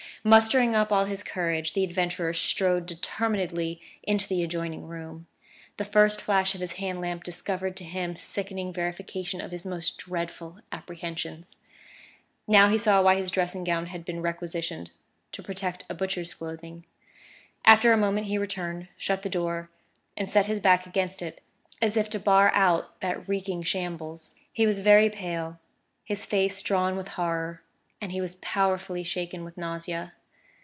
Mustering up all his courage, the adventurer strode determinedly into the adjoining room. The first flash of his hand lamp discovered to him sickening verification of his most dreadful apprehensions. Now he saw why his dressing gown had been requisitioned to protect a butcher's clothing. After a moment he returned, shut the door, and set his back against it, as if to bar out that reeking shambles. He was very pale, his face drawn with horror; and he was powerfully shaken with nausea.